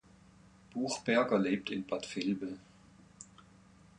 Buchberger lebt in Bad Vilbel.